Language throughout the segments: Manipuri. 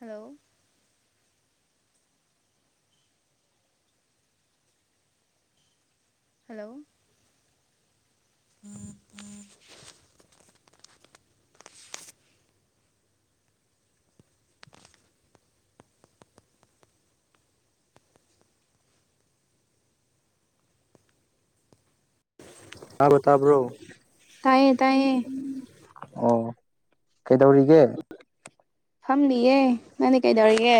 ꯍꯜꯂꯣ ꯍꯜꯂꯣ ꯇꯥꯕ꯭ꯔꯣ ꯇꯥꯕ꯭ꯔꯣ ꯇꯥꯏꯌꯦ ꯇꯥꯏꯌꯦ ꯑꯣ ꯀꯩꯗꯧꯔꯤꯒꯦ ꯐꯝꯃꯤꯌꯦ ꯅꯪꯗꯤ ꯀꯩꯗꯧꯔꯤꯒꯦ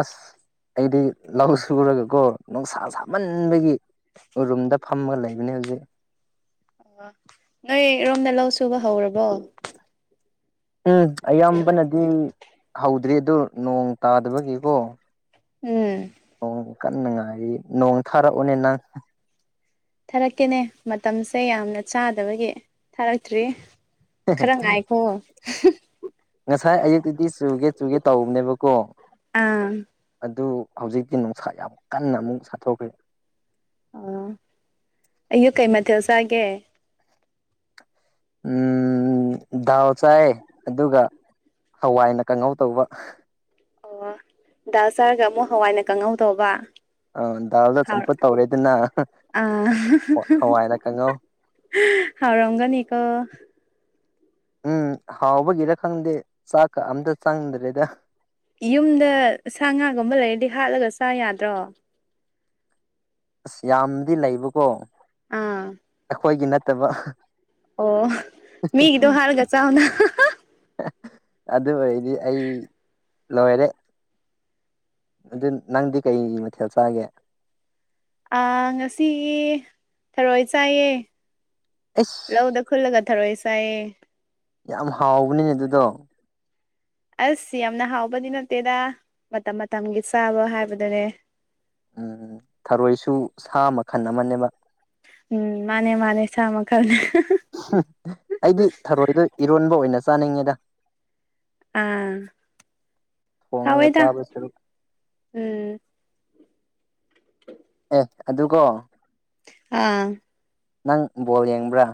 ꯑꯁ ꯑꯩꯗꯤ ꯂꯧ ꯁꯨꯔꯒꯀꯣ ꯅꯨꯡꯁꯥ ꯁꯥꯃꯟꯕꯒꯤ ꯎꯔꯨꯝꯗ ꯐꯝꯃꯥꯒ ꯂꯩꯕꯅꯦ ꯍꯧꯖꯤꯛ ꯑꯣ ꯅꯣꯏ ꯔꯣꯝꯗ ꯂꯧ ꯁꯨꯕ ꯍꯧꯔꯕꯣ ꯎꯝ ꯑꯌꯥꯝꯕꯅꯗꯤ ꯍꯧꯗ꯭ꯔꯤ ꯑꯗꯣ ꯅꯣꯡ ꯇꯥꯗꯕꯒꯤꯀꯣ ꯎꯝ ꯅꯣꯡ ꯀꯟꯅ ꯉꯥꯏꯔꯤ ꯅꯣꯡ ꯊꯥꯔꯛꯎꯅꯦ ꯅꯪ [inaudible] ꯊꯥꯔꯛꯀꯦꯅꯦ ꯃꯇꯝꯁꯦ ꯌꯥꯝꯅ ꯆꯥꯗꯕꯒꯤ ꯊꯥꯔꯛꯇ꯭ꯔꯤ ꯈꯔ ꯉꯥꯏꯈꯣ ꯉꯁꯥꯏ ꯑꯌꯨꯛꯇꯨꯗꯤ ꯆꯨꯒꯦ ꯆꯨꯒꯦ ꯇꯧꯕꯅꯦꯕꯀꯣ ꯑꯪ ꯑꯗꯨ ꯍꯧꯖꯤꯛꯇꯤ ꯅꯨꯡꯁꯥ ꯌꯥꯝ ꯀꯟꯅ ꯑꯃꯨꯛ ꯁꯥꯊꯣꯛꯈ꯭ꯔꯦ ꯑꯣ ꯑꯌꯨꯛ ꯀꯩ ꯃꯊꯦꯜ ꯆꯥꯒꯦ ꯎꯝ ꯗꯥꯜ ꯆꯥꯏꯌꯦ ꯑꯗꯨꯒ ꯍꯋꯥꯏꯅ ꯀꯥꯡꯍꯧ ꯇꯧꯕ ꯑꯣ ꯗꯥꯜ ꯆꯥꯔꯒ ꯑꯃꯨꯛ ꯍꯋꯥꯏꯅ ꯀꯥꯡꯍꯧ ꯇꯧꯕ ꯑꯧ ꯗꯥꯜꯗꯣ ꯍꯥꯎ ꯆꯝꯐꯨꯠ ꯇꯧꯔꯦꯗꯅ ꯑꯥ ꯍꯧ ꯍꯋꯥꯏꯅ ꯀꯥꯡꯍꯧ ꯍꯥꯎꯔꯝꯒꯅꯤꯀꯣ ꯎꯝ ꯍꯥꯎꯕꯒꯤꯔ ꯈꯪꯗꯦ ꯆꯥꯛꯀ ꯑꯝꯇ ꯆꯪꯗꯔꯦꯗ ꯌꯨꯝꯗ ꯁꯥ ꯉꯥꯒꯨꯝꯕ ꯂꯩꯔꯗꯤ ꯍꯥꯠꯂꯒ ꯆꯥ ꯌꯥꯗ꯭ꯔꯣ ꯑꯁ ꯌꯥꯝꯗꯤ ꯂꯩꯕꯀꯣ ꯑꯥ ꯈꯣꯏꯒꯤ ꯅꯠꯇꯕ ꯑꯣ ꯃꯤꯒꯤꯗꯣ ꯍꯥꯠꯂꯒ ꯆꯥꯎꯅ ꯑꯗꯨ ꯑꯣꯏꯔꯗꯤ ꯑꯩ ꯂꯣꯏꯔꯦ ꯑꯗꯨ ꯅꯪꯗꯤ ꯀꯩ ꯃꯊꯦꯜ ꯆꯥꯒꯦ ꯑꯥ ꯉꯁꯤꯒꯤ ꯊꯔꯣꯏ ꯆꯥꯏꯌꯦ ꯑꯁ ꯂꯧꯗ ꯈꯨꯜꯂꯒ ꯊꯥꯔꯣꯏ ꯆꯥꯏꯌꯦ ꯌꯥꯝ ꯍꯥꯎꯕꯅꯤꯅꯦ ꯑꯗꯨꯗꯣ ꯑꯁ ꯌꯥꯝꯅ ꯍꯥꯎꯕꯗꯤ ꯅꯠꯇꯦꯗ ꯃꯇꯝ ꯃꯇꯝꯒꯤ ꯆꯥꯕ ꯍꯥꯏꯕꯗꯨꯅꯦ ꯎꯝ ꯊꯔꯣꯏꯁꯨ ꯁꯥ ꯃꯈꯟ ꯑꯃꯅꯦꯕ ꯎꯝ ꯃꯥꯅꯦ ꯃꯥꯅꯦ ꯁꯥ ꯃꯈꯜꯅꯦ ꯍꯨꯝ ꯑꯩꯗꯤ ꯊꯔꯣꯏꯗꯣ ꯏꯔꯣꯟꯕ ꯑꯣꯏꯅ ꯆꯥꯅꯤꯡꯉꯤꯗ ꯑꯥ ꯊꯣꯡꯉꯒ ꯍꯥꯎꯋꯦꯗ ꯆꯥꯕ ꯁꯔꯨꯛ ꯎꯝ ꯑꯗꯨꯒꯣ ꯑꯥ ꯅꯪ ꯕꯣꯜ ꯌꯦꯡꯕ꯭ꯔꯥ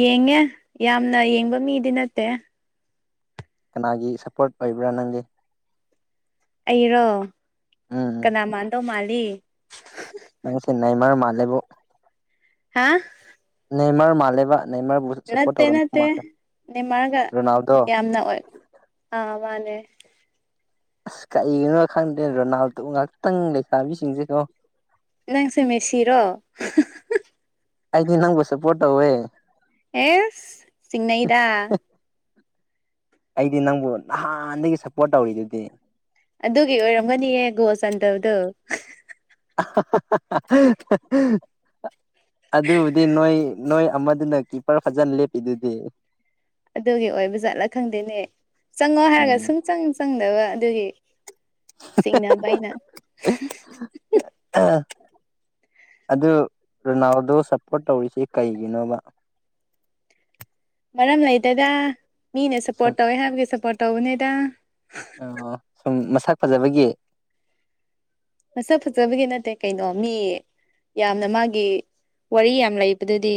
ꯌꯦꯡꯉꯦ ꯌꯥꯝꯅ ꯌꯦꯡꯕ ꯃꯤꯗꯤ ꯅꯠꯇꯦ ꯀꯅꯥꯒꯤ ꯁꯄꯣ꯭ꯔꯠ ꯑꯣꯏꯕ꯭ꯔꯥ ꯅꯪꯗꯤ ꯑꯩꯔꯣ ꯎꯝ ꯀꯅꯥ ꯃꯥꯟꯗꯧ ꯃꯥꯜꯂꯤ ꯅꯪ [unintelligible] ꯃꯥ ꯃꯥꯜꯂꯦꯕꯨ ꯍꯥꯥ ꯅꯦꯃꯔ ꯃꯥꯜꯂꯦꯕ ꯅꯦꯃꯔꯕꯨ ꯁꯞꯄꯣꯔꯠ ꯅꯠꯇꯦ ꯇꯧꯔꯝꯗꯧ ꯅꯠꯇꯦ ꯃꯥꯜꯂꯦ ꯅꯦꯃꯔꯒ ꯔꯣꯅꯥꯜꯗꯣ ꯌꯥꯝꯅ ꯑꯣꯏ ꯑꯥ ꯃꯥꯅꯦ ꯑꯁ ꯀꯩꯒꯤꯅꯣ ꯈꯪꯗꯦ ꯔꯣꯅꯥꯜꯗꯣ ꯉꯥꯛꯇꯪ ꯂꯩꯈꯥꯕꯤꯁꯤꯡꯁꯦꯀꯣ ꯅꯪꯁꯦ ꯃꯦꯁꯤꯔꯣ ꯑꯩꯗꯤ ꯅꯪꯕꯨ ꯁꯄꯣꯔꯠ ꯇꯧꯋꯦ ꯑꯦꯁ ꯆꯤꯡꯅꯩꯗ [unintelligible] ꯑꯩꯗꯤ ꯅꯪꯕꯨ ꯅꯍꯥꯟꯗꯒꯤ ꯁꯞꯄꯣꯔꯠ ꯇꯧꯔꯤꯗꯨꯗꯤ ꯑꯗꯨꯒꯤ ꯑꯣꯏꯔꯝꯒꯅꯤꯌꯦ ꯒꯣꯜ ꯆꯟꯗꯕꯗꯣ ꯑꯗꯨꯕꯨꯗꯤ ꯅꯣꯏ ꯅꯣꯏ ꯑꯃꯗꯨꯅ ꯀꯤꯞꯄꯔ ꯐꯖꯅ ꯂꯦꯞꯄꯤꯗꯨꯗꯤ ꯑꯗꯨꯒꯤ ꯑꯣꯏꯕ ꯖꯥꯠꯂꯥ ꯈꯪꯗꯦꯅꯦ ꯆꯪꯉꯣ ꯍꯥꯏꯔꯒ ꯎꯝ ꯁꯨꯡ ꯆꯪ ꯆꯪꯗꯕ ꯑꯗꯨꯒꯤ ꯆꯤꯡꯅꯕ ꯑꯩꯅ [unintelligible] ꯑꯗꯨ ꯔꯣꯅꯥꯜꯗꯣ ꯁꯞꯄꯣꯔꯠ ꯇꯧꯔꯤꯁꯦ ꯀꯩꯒꯤꯅꯣꯕ ꯃꯔꯝ ꯂꯩꯇꯦꯗ ꯃꯤꯅ ꯁꯞꯄꯣꯔꯠ ꯇꯧꯋꯦ ꯍꯥꯏꯕꯒꯤ ꯁꯞꯄꯣꯔꯠ ꯇꯧꯕꯅꯦꯗ ꯑꯩꯌꯣ ꯁꯨꯝ ꯃꯁꯛ ꯐꯖꯕꯒꯤ ꯃꯁꯛ ꯐꯖꯕꯒꯤ ꯅꯠꯇꯦ ꯀꯩꯅꯣ ꯃꯤ ꯌꯥꯝꯅ ꯃꯥꯒꯤ ꯋꯥꯔꯤ ꯌꯥꯝ ꯂꯩꯕꯗꯨꯗꯤ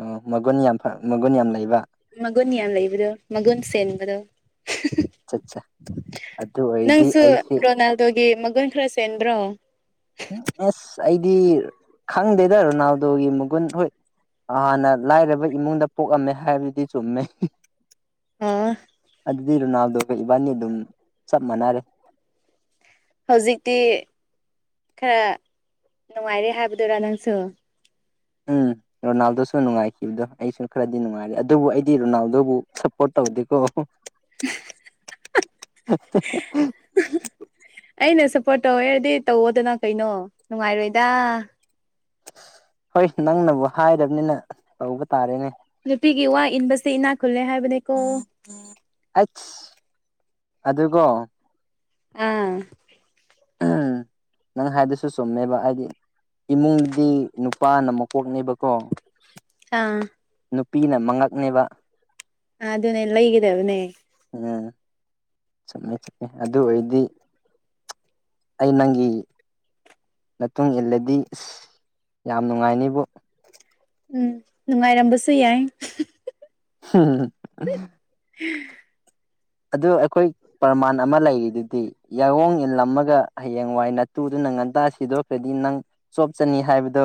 ꯑꯣ ꯃꯒꯨꯟ ꯌꯥꯝ ꯐꯥ ꯃꯒꯨꯟ ꯌꯥꯝ ꯂꯩꯕ ꯃꯒꯨꯟ ꯌꯥꯝ ꯂꯩꯕꯗꯣ ꯃꯒꯨꯟ ꯁꯦꯟꯕꯗꯣ ꯆꯠꯆꯥ ꯑꯗꯨꯑꯣꯏꯗꯤ ꯑꯩꯒꯤ ꯑꯗꯨꯒꯤ ꯃꯒꯨꯟ ꯈꯔ ꯆꯦꯟꯕ꯭ꯔꯣ ꯎꯝ ꯑꯁ ꯑꯩꯗꯤ ꯈꯪꯗꯦꯗ ꯔꯣꯅꯥꯜꯗꯣꯒꯤ ꯃꯒꯨꯟ ꯍꯣꯏ ꯍꯥꯟꯅ ꯂꯥꯏꯔꯕ ꯏꯃꯨꯡꯗ ꯄꯣꯛꯑꯝꯃꯦ ꯍꯥꯏꯕꯗꯨꯗꯤ ꯆꯨꯝꯃꯦ ꯑꯣ ꯑꯗꯨꯗꯤ ꯔꯣꯅꯥꯜꯗꯣꯒ ꯏꯕꯥꯅꯤ ꯑꯗꯨꯝ ꯆꯞ ꯃꯥꯟꯅꯔꯦ ꯍꯧꯖꯤꯛꯇꯤ ꯈꯔ ꯅꯨꯡꯉꯥꯏꯔꯦ ꯍꯥꯏꯕꯗꯨꯔꯥ ꯅꯪꯁꯨ ꯎꯝ ꯔꯣꯅꯥꯜꯗꯣꯁꯨ ꯅꯨꯡꯉꯥꯏꯈꯤꯕꯗꯣ ꯑꯩꯁꯨ ꯈꯔꯗꯤ ꯅꯨꯡꯉꯥꯏꯔꯦ ꯑꯗꯨꯕꯨ ꯑꯩꯗꯤ ꯔꯣꯅꯥꯜꯗꯣꯕꯨ ꯁꯞꯄꯣꯔꯠ ꯇꯧꯗꯦꯀꯣ [unintelligible] [unintelligible] [unintelligible] ꯑꯩꯅ ꯁꯞꯄꯣꯔꯠ ꯇꯧꯋꯦ ꯍꯥꯏꯗꯤ ꯇꯧꯋꯣꯗꯅ ꯀꯩꯅꯣ ꯅꯨꯡꯉꯥꯏꯔꯣꯏꯗ ꯍꯣꯏ ꯅꯪꯅꯕꯨ ꯍꯥꯏꯔꯝꯅꯤꯅ ꯇꯧꯕ ꯇꯥꯔꯦꯅꯦ ꯅꯨꯄꯤꯒꯤ ꯋꯥ ꯏꯟꯕꯁꯦ ꯏꯅꯥꯛ ꯈꯨꯜꯂꯦ ꯍꯥꯏꯕꯅꯦꯀꯣ ꯑꯩꯁ ꯑꯗꯨꯒꯣ ꯑꯪ ꯑꯝ ꯅꯪ ꯍꯥꯏꯗꯨꯁꯨ ꯆꯨꯝꯃꯦꯕ ꯍꯥꯏꯗꯤ ꯏꯃꯨꯡꯗꯤ ꯅꯨꯄꯥꯅ ꯃꯀꯣꯛꯅꯦꯕꯀꯣ ꯑꯥ ꯅꯨꯄꯤꯅ ꯃꯉꯛꯅꯦꯕ ꯑ ꯑꯗꯨꯅꯦ ꯂꯩꯒꯗꯕꯅꯦ ꯎꯝ ꯆꯨꯝꯃꯦ ꯆꯨꯝꯃꯦ ꯑꯗꯨ ꯑꯣꯏꯔꯗꯤ ꯑꯩ ꯅꯪꯒꯤ ꯃꯇꯨꯡ ꯏꯜꯂꯗꯤ ꯌꯥꯝ ꯅꯨꯡꯉꯥꯏꯅꯤꯕꯨ ꯎꯝ ꯅꯨꯡꯉꯥꯏꯔꯝꯕꯁꯨ ꯌꯥꯏ ꯍꯨꯝ ꯎꯝ [unintelligible] ꯑꯗꯨ ꯑꯩꯈꯣꯏ ꯄ꯭ꯔꯃꯥꯟ ꯑꯃ ꯂꯩꯔꯤꯗꯨꯗꯤ ꯌꯥꯏꯑꯣꯡ ꯏꯜꯂꯝꯃꯒ ꯍꯌꯦꯡ ꯋꯥꯏ ꯅꯠꯇꯨꯗꯨꯅ ꯉꯟꯇꯥ ꯁꯤꯗꯣꯛꯈ꯭ꯔꯗꯤ ꯅꯪ ꯆꯣꯞ ꯆꯅꯤ ꯍꯥꯏꯕꯗꯣ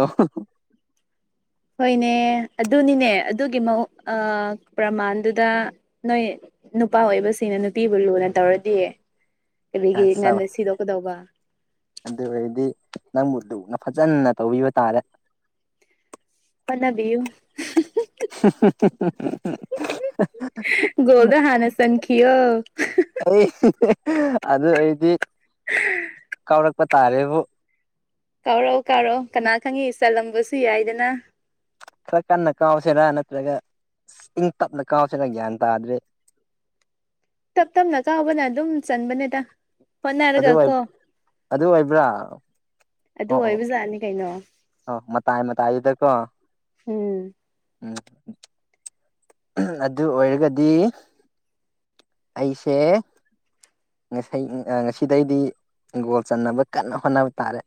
ꯍꯣꯏꯅꯦ ꯑꯗꯨꯅꯤꯅꯦ ꯑꯗꯨꯒꯤ ꯃꯑꯣꯡ ꯄ꯭ꯔꯃꯥꯟꯗꯨꯗ ꯅꯣꯏ ꯅꯨꯄꯥ ꯑꯣꯏꯕꯁꯤꯡꯅ ꯅꯨꯄꯤꯕꯨ ꯂꯨꯅ ꯇꯧꯔꯗꯤ ꯀꯔꯤꯒꯤ ꯉꯟꯅ ꯁꯤꯗꯣꯛꯀꯗꯧꯕ ꯑꯗꯨ ꯑꯣꯏꯔꯗꯤ ꯅꯪꯕ ꯂꯨꯨꯅ ꯐꯖꯟꯅ ꯇꯧꯕꯤꯕ ꯇꯥꯔꯦ ꯍꯣꯠꯅꯕꯤꯌꯨ [unintelligible] ꯀꯣꯜꯗꯣ ꯍꯥꯟꯅ ꯆꯟꯈꯤꯌꯣ ꯑꯩ ꯑꯗꯨ ꯑꯩꯗꯤ ꯀꯧꯔꯛꯄ ꯇꯥꯔꯦꯕꯨ ꯀꯥꯎꯔꯛꯑꯣ ꯀꯥꯎꯔꯛ ꯀꯅꯥ ꯈꯪꯉꯤ ꯆꯜꯂꯝꯕꯁꯨ ꯌꯥꯏꯗꯅ ꯈꯔ ꯀꯟꯅ ꯀꯥꯎꯁꯤꯔꯥꯅ ꯅꯠꯇ꯭ꯔꯒ ꯏꯪ ꯇꯞꯅ ꯀꯥꯎꯁꯤꯔꯥ ꯒ꯭ꯌꯥꯟ ꯇꯥꯗ꯭ꯔꯦ ꯇꯞ ꯇꯞꯅ ꯀꯥꯎꯕꯅ ꯑꯗꯨꯝ ꯆꯟꯕꯅꯦꯗ ꯍꯣꯠꯅꯔꯒ ꯑꯗꯨ ꯀꯣ ꯑꯗꯨ ꯑꯣꯏꯕ꯭ꯔꯥ ꯑꯗꯨ ꯑꯣ ꯑꯣ ꯑꯣꯏꯕꯖꯥꯠꯅꯤ ꯀꯩꯅꯣ ꯑꯣ ꯃꯇꯥꯏ ꯃꯇꯥꯏꯗꯀꯣ ꯎꯝ ꯎꯝ ꯑꯗꯨ ꯑꯣꯏꯔꯒꯗꯤ ꯑꯩꯁꯦ ꯉꯁꯤ ꯉꯁꯤꯗꯩꯗꯤ ꯒꯣꯜ ꯆꯟꯅꯅꯕ ꯀꯟꯅ ꯍꯣꯠꯅꯕ ꯇꯥꯔꯦ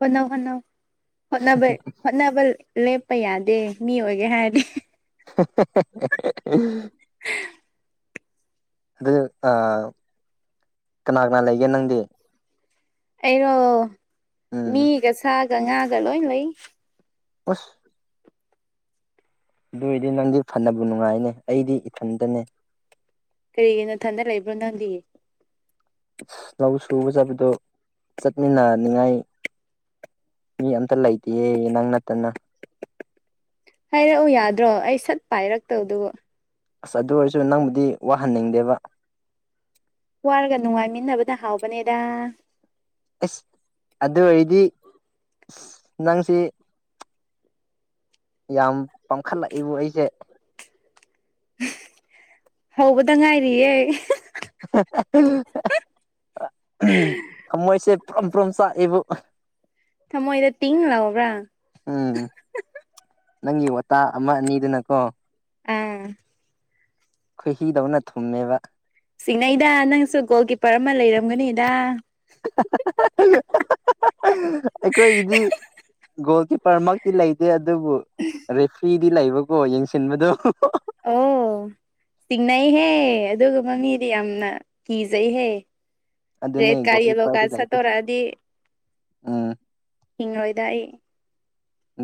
ꯍꯣꯠꯅꯧ ꯍꯣꯠꯅꯧ ꯍꯣꯠꯅꯕ ꯍꯣꯠꯅꯕ ꯂꯦꯞꯄ ꯌꯥꯗꯦ ꯃꯤ ꯑꯣꯏꯒꯦ ꯍꯥꯏꯔꯗꯤ [unintelligible] ꯑꯗꯨ ꯑꯥ ꯀꯅꯥ ꯀꯅꯥ ꯂꯩꯒꯦ ꯅꯪꯗꯤ ꯑꯩꯔꯣ ꯎꯝ ꯃꯤꯒ ꯁꯥꯒ ꯉꯥꯒ ꯂꯣꯏ ꯂꯩ ꯑꯨꯁ ꯑꯗꯨ ꯑꯣꯏꯔꯗꯤ ꯅꯪꯗꯤ ꯐꯅꯕꯨ ꯅꯨꯡꯉꯥꯏꯅꯦ ꯑꯩꯗꯤ ꯏꯊꯟꯇꯅꯦ ꯀꯔꯤꯒꯤ ꯅꯊꯟꯗ ꯂꯩꯕ꯭ꯔꯣ ꯅꯪꯗꯤ ꯂꯧ ꯁꯨꯕ ꯆꯠꯄꯗꯨ ꯆꯠꯃꯤꯟꯅꯅꯤꯡꯉꯥꯏ ꯃꯤ ꯑꯝꯇ ꯂꯩꯇꯦꯌꯦ ꯅꯪ ꯅꯠꯇꯅ ꯍꯥꯏꯔꯛꯑꯣ ꯌꯥꯗ꯭ꯔꯣ ꯑꯩ ꯁꯠ ꯄꯥꯏꯔꯛꯇꯧꯗꯨꯕ ꯑꯁ ꯑꯗꯨ ꯑꯣꯏꯔꯁꯨ ꯅꯪꯕꯨꯗꯤ ꯋꯥꯍꯟꯅꯤꯡꯗꯦꯕ ꯋꯥꯔꯒ ꯅꯨꯡꯉꯥꯏꯃꯤꯟꯅꯕꯅ ꯍꯥꯎꯕꯅꯦꯗ ꯑꯁ ꯑꯗꯨ ꯑꯣꯏꯔꯗꯤ ꯑꯥ ꯅꯪꯁꯤ ꯌꯥꯝ ꯄꯥꯡꯈꯠꯂꯛꯏꯕꯣ ꯑꯩꯁꯦ ꯍꯧꯕꯗ ꯉꯥꯏꯔꯤꯌꯦ ꯊꯃꯣꯏꯁꯦ ꯄ꯭ꯔꯨꯝ ꯄ꯭ꯔꯨꯝ ꯆꯥꯛꯑꯦꯕꯨ ꯊꯝꯃꯣꯏꯗ ꯇꯤꯡ ꯂꯥꯎꯕ꯭ꯔꯥ ꯎꯝ ꯅꯪꯒꯤ ꯋꯥꯇꯥ ꯑꯃ ꯑꯅꯤꯗꯨꯅꯀꯣ ꯎꯝ ꯈꯣꯏꯍꯤꯗꯧꯅ ꯊꯨꯝꯃꯦꯕ ꯆꯤꯡꯅꯩꯗ ꯅꯪꯁꯨ ꯒꯣꯜ ꯀꯤꯞꯄꯔ ꯑꯃ ꯂꯩꯔꯝꯒꯅꯤꯗ [unintelligible] ꯑꯩꯈꯣꯏꯒꯤꯗꯤ ꯒꯣꯜ ꯀꯤꯞꯄꯔꯃꯛ ꯇꯤ ꯂꯩꯇꯦ ꯑꯗꯨꯕꯨ ꯔꯦꯐ꯭ꯔꯤꯗꯤ ꯂꯩꯕꯀꯣ ꯌꯦꯡꯁꯤꯟꯕꯗꯨ ꯎꯝ ꯆꯤꯡꯅꯩꯍꯦ ꯑꯗꯨꯒ ꯃꯤꯗꯤ ꯌꯥꯝꯅ ꯀꯤꯖꯩꯍꯦ ꯑꯗꯨꯅꯦ ꯒꯣꯜ ꯔꯦꯠꯀꯥꯏꯌꯣꯂꯣ ꯀꯥ ꯀꯤꯞꯄꯔꯗꯤ ꯂꯩꯇꯦ ꯁꯛꯇꯣꯔꯛꯑꯗꯤ ꯎꯝ ꯍꯤꯡꯔꯣꯏꯗ ꯑꯩ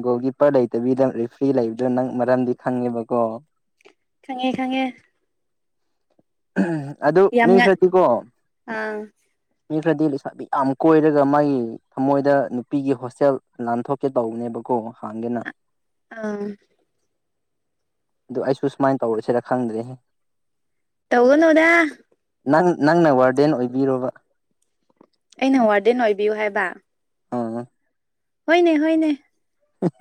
ꯒꯣꯜ ꯀꯤꯞꯄꯔ ꯂꯩꯇꯕꯤꯗ ꯔꯤꯐ꯭ꯔꯤ ꯂꯩꯕꯗꯣ ꯅꯪ ꯃꯔꯝꯗꯤ ꯈꯪꯉꯦꯕꯀꯣ ꯈꯪꯉꯦ ꯈꯪꯉꯦ ꯑꯗꯨ ꯌꯥꯝ ꯃꯤ ꯉꯟ ꯈꯔꯗꯤꯀꯣ ꯑꯥ ꯃꯤ ꯈꯔꯗꯤ ꯂꯩꯁꯥꯕꯤ ꯌꯥꯝ ꯀꯣꯏꯔꯒ ꯃꯥꯒꯤ ꯊꯃꯣꯏꯗ ꯅꯨꯄꯤꯒꯤ ꯍꯣꯁꯇꯦꯜ ꯅꯥꯟꯊꯣꯛꯀꯦ ꯇꯧꯕꯅꯦꯕꯀꯣ ꯍꯥꯡꯒꯦꯅ ꯑꯥ ꯑꯗꯨ ꯑꯩꯁꯨ ꯁꯨꯃꯥꯏꯅ ꯇꯧꯔꯁꯤꯔꯥ ꯈꯪꯗ꯭ꯔꯦ ꯇꯧꯒꯅꯨꯗ ꯅꯪ ꯅꯪꯅ ꯋꯥꯔꯗꯦꯟ ꯑꯣꯏꯕꯤꯔꯣꯕ ꯑꯩꯅ ꯋꯥꯔꯗꯦꯟ ꯑꯣꯏꯕꯤꯌꯨ ꯍꯥꯏꯕ ꯑ꯫ ꯍꯣꯏꯅꯦ ꯍꯣꯏꯅꯦ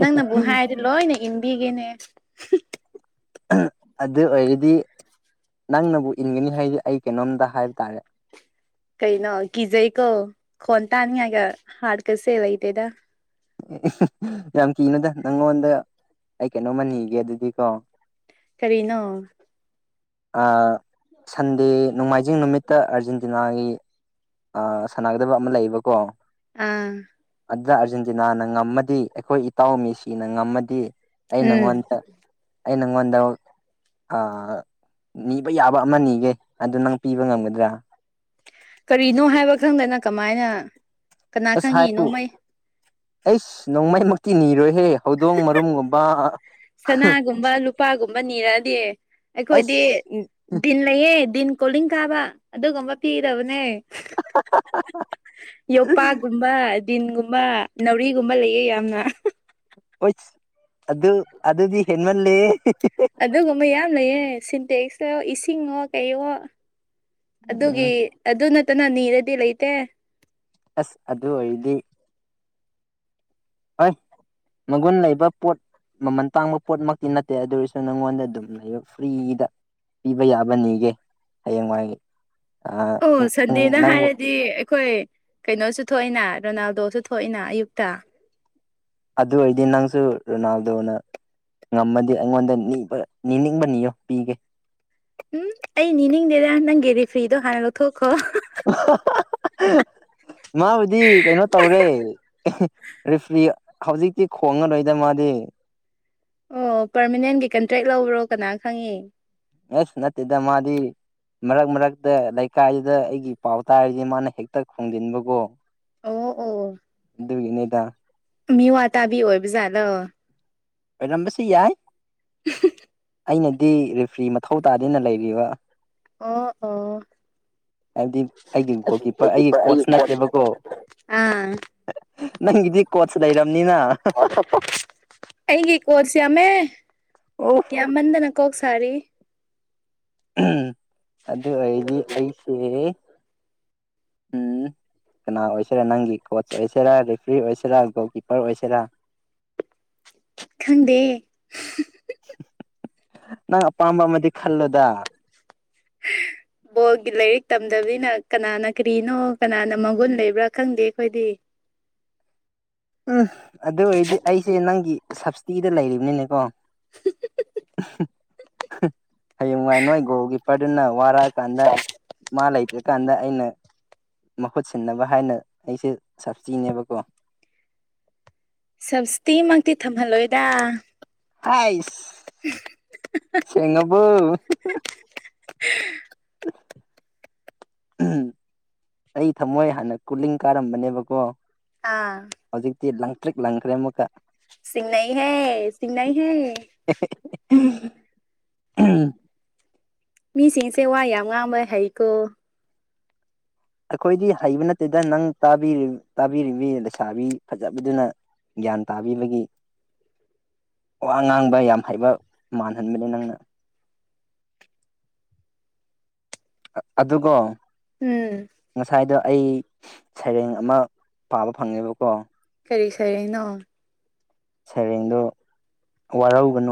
ꯅꯪꯅꯕꯨ ꯍꯥꯏꯔꯗꯤ ꯂꯣꯏꯅ ꯏꯟꯕꯤꯒꯦꯅꯦ ꯑꯗꯨ ꯑꯣꯏꯔꯗꯤ ꯅꯪꯅꯕꯨ ꯏꯟꯒꯅꯤ ꯍꯥꯏꯗꯤ ꯑꯩ ꯀꯩꯅꯣꯝꯇ ꯍꯥꯏꯕ ꯇꯥꯔꯦ ꯀꯩꯅꯣ ꯀꯤꯖꯩꯀꯣ ꯈꯣꯟ ꯇꯅꯤꯉꯥꯏꯒ ꯍꯥꯠꯀꯁꯦ ꯂꯩꯇꯦꯗ ꯌꯥꯝ ꯀꯤꯅꯨꯗ ꯅꯉꯣꯟꯗ ꯑꯩ ꯀꯩꯅꯣꯃꯥ ꯅꯤꯒꯦ ꯑꯗꯨꯗꯤ ꯀꯣ ꯀꯔꯤꯅꯣ ꯁꯟꯗꯦ ꯅꯣꯡꯃꯥꯏꯖꯤꯡ ꯅꯨꯃꯤꯠꯇ ꯑꯥꯔꯖꯦꯟꯇꯤꯅꯥꯒꯤ ꯑ ꯁꯥꯟꯅꯒꯗꯕ ꯑꯃ ꯂꯩꯌꯦꯕꯀꯣ ꯑꯥ ꯑꯗꯨꯗ ꯑꯥꯔꯖꯦꯟꯇꯤꯅꯥꯅ ꯉꯝꯃꯗꯤ ꯑꯩꯈꯣꯏ ꯏꯇꯥꯎ ꯃꯦꯁꯤꯅ ꯉꯝꯃꯗꯤ ꯑꯩ ꯎꯝ ꯅꯪꯉꯣꯟꯗ ꯑꯩ ꯅꯪꯉꯣꯟꯗ ꯅꯤꯕ ꯌꯥꯕ ꯑꯃ ꯅꯤꯒꯦ ꯑꯗꯨ ꯅꯪ ꯄꯤꯕ ꯉꯝꯒꯗ꯭ꯔꯥ ꯀꯔꯤꯅꯣ ꯍꯥꯏꯕ ꯈꯪꯗꯅ ꯀꯃꯥꯏꯅ ꯀꯅꯥ ꯑꯁ ꯈꯪꯉꯤꯅꯣ ꯍꯥꯏꯌꯨ ꯃꯩ ꯑꯩꯁ ꯅꯣꯡꯃꯩꯃꯛꯇꯤ ꯅꯤꯔꯣꯏꯍꯦ ꯍꯧꯗꯣꯡ ꯃꯔꯨꯝꯒꯨꯝꯕ ꯁꯅꯥꯒꯨꯝꯕ ꯂꯨꯄꯥꯒꯨꯝꯕ ꯅꯤꯔꯛꯑꯗꯤ ꯑꯩꯈꯣꯏꯗꯤ ꯑꯩꯁ ꯗꯤꯟ ꯂꯩꯌꯦ ꯗꯤꯟ ꯀꯣꯂꯤꯡ ꯀꯥꯕ ꯑꯗꯨꯒꯨꯝꯕ ꯄꯤꯒꯗꯕꯅꯦ ꯌꯣꯄꯥꯛꯒꯨꯝꯕ ꯗꯤꯟꯒꯨꯝꯕ ꯅꯥꯎꯔꯤꯒꯨꯝꯕ ꯂꯩꯌꯦ ꯌꯥꯝꯅ ꯍꯣꯏ ꯑꯗꯨ ꯑꯗꯨꯗꯤ ꯍꯦꯟꯃꯜꯂꯦ ꯑꯗꯨꯒꯨꯝꯕ ꯌꯥꯝ ꯂꯩꯌꯦ ꯁꯤꯟꯇꯦꯛꯁꯇꯣ ꯏꯁꯤꯡꯉꯣ ꯀꯩꯋꯣ ꯎꯝ ꯑꯗꯨꯒꯤ ꯑꯗꯨ ꯅꯠꯇꯅꯥ ꯅꯤꯔꯗꯤ ꯂꯩꯇꯦ ꯑꯁ ꯑꯗꯨ ꯑꯣꯏꯔꯗꯤ ꯍꯣꯏ ꯃꯒꯨꯟ ꯂꯩꯕ ꯄꯣꯠ ꯃꯃꯟ ꯇꯥꯡꯕ ꯄꯣꯠꯃꯛꯇꯤ ꯅꯠꯇꯦ ꯑꯗꯨ ꯑꯣꯏꯔꯁꯨ ꯅꯪꯉꯣꯟꯗ ꯑꯗꯨꯝ ꯂꯩꯕ ꯐ꯭ꯔꯤꯗ ꯄꯤꯕ ꯌꯥꯕ ꯅꯤꯒꯦ ꯍꯌꯦꯡꯋꯥꯏ ꯑꯣ ꯁꯟꯗꯦꯅ ꯅꯪꯕꯨ ꯍꯥꯏꯔꯗꯤ ꯑꯩꯈꯣꯏ ꯀꯩꯅꯣꯁꯨ ꯊꯣꯛꯋꯦꯅ ꯔꯣꯅꯥꯜꯗꯣꯁꯨ ꯊꯣꯛꯢꯅ ꯑꯌꯨꯛꯇ ꯑꯗꯨ ꯑꯣꯏꯔꯗꯤ ꯅꯪꯁꯨ ꯔꯣꯅꯥꯜꯗꯣꯅ ꯉꯝꯃꯗꯤ ꯑꯩꯉꯣꯟꯗ ꯅꯤꯕ ꯅꯤꯡꯅꯤꯡꯕ ꯅꯤꯌꯣ ꯄꯤꯒꯦ ꯎꯝ ꯑꯩ ꯅꯤꯡꯗꯦꯗ ꯅꯪꯒꯤ ꯔꯤꯐ꯭ꯔꯤꯗꯣ ꯍꯥꯟꯅ ꯂꯧꯊꯣꯛꯈꯣ ꯃꯥꯕꯨꯗꯤ ꯀꯩꯅꯣ ꯇꯧꯔꯦ ꯔꯤꯐ꯭ꯔꯤ ꯍꯧꯖꯤꯛꯇꯤ ꯈꯣꯡꯉꯔꯣꯏꯗ ꯃꯥꯗꯤ ꯑꯣ ꯄꯥꯔꯃꯅꯦꯟꯒꯤ ꯀꯟꯇ꯭ꯔꯦꯛ ꯂꯧꯕ꯭ꯔꯣ ꯀꯅꯥ ꯈꯪꯉꯤ ꯑꯦꯁ ꯅꯠꯇꯦꯗ ꯃꯥꯗꯤ ꯃꯔꯛ ꯃꯔꯛꯇ ꯂꯩꯀꯥꯏꯗꯨꯗ ꯑꯩꯒꯤ ꯄꯥꯎ ꯇꯥꯔꯗꯤ ꯃꯥꯅ ꯍꯦꯛꯇ ꯈꯣꯡꯖꯤꯟꯕꯀꯣ ꯑꯣ ꯑꯣ ꯑꯗꯨꯒꯤꯅꯦꯗ ꯃꯤ ꯋꯥ ꯇꯕꯤ ꯑꯣꯏꯕ ꯖꯥꯠꯂꯣ ꯑꯣꯏꯔꯝꯕꯁꯨ ꯌꯥꯏ ꯑꯩꯅꯗꯤ ꯔꯦꯐ꯭ꯔꯤ ꯃꯊꯧ ꯇꯥꯗꯦꯅ ꯂꯩꯔꯤꯕ ꯑ ꯑꯥ ꯍꯥꯏꯕꯗꯤ ꯑꯩꯒꯤ ꯒꯣꯜ ꯀꯤꯞꯄꯔ ꯑꯩꯒꯤ ꯀꯣꯆ ꯅꯠꯇꯦꯕꯀꯣ ꯑꯥꯝ ꯅꯪꯒꯤꯗꯤ ꯀꯣꯆ ꯂꯩꯔꯝꯅꯤꯅ ꯑꯩꯒꯤ ꯀꯣꯁ ꯌꯥꯝꯃꯦ ꯑꯣ ꯌꯥꯝꯃꯟꯗꯅ ꯀꯣꯛ ꯁꯥꯔꯦ ꯑꯗꯨ ꯑꯣꯏꯗꯤ ꯑꯩꯁꯦ ꯎꯝ ꯀꯅꯥ ꯑꯣꯏꯁꯤꯔꯥ ꯅꯪꯒꯤ ꯀꯣꯆ ꯑꯣꯏꯁꯤꯔꯥ ꯔꯦꯐ꯭ꯔꯤ ꯑꯣꯏꯁꯤꯔꯥ ꯒꯣꯜ ꯀꯤꯞꯄꯔ ꯑꯣꯏꯁꯤꯔꯥ ꯈꯪꯗꯦ ꯅꯪ ꯑꯄꯥꯝꯕ ꯑꯃꯗꯤ ꯈꯜꯂꯣꯗ ꯎꯝ [inaudible] ꯕꯣꯜꯒꯤ ꯂꯥꯏꯔꯤꯛ ꯇꯝꯗꯕꯅꯤꯅ ꯀꯅꯥꯅ ꯀꯔꯤꯅꯣ ꯀꯅꯥꯅ ꯃꯒꯨꯟ ꯂꯩꯕ꯭ꯔꯥ ꯈꯪꯗꯦ ꯑꯩꯈꯣꯏꯗꯤ ꯎꯝ ꯑꯗꯨ ꯑꯣꯏꯔꯗꯤ ꯑꯩꯁꯦ ꯅꯪꯒꯤ ꯁꯞꯁꯇꯤꯗ ꯂꯩꯕꯅꯤꯅꯦꯀꯣ ꯍꯌꯦꯡ ꯉꯥꯏ ꯅꯣꯏ ꯒꯣꯜ ꯀꯤꯞꯄꯔꯗꯨꯅ ꯋꯥꯔꯛꯑꯀꯥꯟꯗ ꯃꯥ ꯂꯩꯇ꯭ꯔꯀꯥꯟꯗ ꯑꯩꯅ ꯃꯍꯨꯠ ꯁꯤꯟꯅꯕ ꯍꯥꯏꯅ ꯑꯩꯁꯦ ꯁꯞꯇꯤꯅꯦꯕꯀꯣ ꯁꯞꯁꯇꯤꯃꯛꯇꯤ ꯊꯝꯍꯜꯂꯣꯏꯗ ꯍꯩꯁ ꯁꯦꯡꯉꯕꯣ [inaudible] ꯑꯩ ꯊꯝꯃꯣꯏ ꯍꯥꯟꯅ ꯀꯨꯂꯤꯡ ꯀꯥꯔꯝꯕꯅꯦꯕꯀꯣ ꯑꯥ ꯍꯧꯖꯤꯛꯇꯤ ꯂꯪꯇ꯭ꯔꯤꯛ ꯂꯪꯈ꯭ꯔꯦ ꯑꯃꯨꯛꯀ ꯆꯤꯡꯅꯩꯍꯦ ꯆꯤꯡꯅꯩꯍꯦ [unintelligible] ꯎꯝ [unintelligible] ꯃꯤꯁꯤꯡꯁꯦ ꯋꯥ ꯌꯥꯝ ꯉꯥꯡꯕ ꯍꯩꯀꯣ ꯑꯩꯈꯣꯏꯗꯤ ꯍꯩꯕ ꯅꯠꯇꯦꯗ ꯅꯪ ꯇꯥꯕꯤꯔꯤꯕꯤ ꯂꯩꯁꯥꯕꯤ ꯐꯖꯕꯤꯗꯨꯅ ꯒ꯭ꯌꯥꯟ ꯇꯥꯕꯤꯕꯒꯤ ꯋꯥ ꯉꯥꯡꯕ ꯌꯥꯝ ꯍꯩꯕ ꯃꯥꯟꯍꯟꯕꯅꯦ ꯅꯪꯅ ꯑꯗꯨꯒꯣ ꯎꯝ ꯉꯁꯥꯏꯗꯣ ꯑꯩ ꯁꯩꯔꯦꯡ ꯑꯃ ꯄꯥꯕ ꯐꯪꯉꯦꯕꯀꯣ ꯀꯔꯤ ꯁꯩꯔꯦꯡ ꯅꯣ? ꯁꯩꯔꯦꯡꯗꯣ ꯋꯥꯔꯧꯒꯅꯨ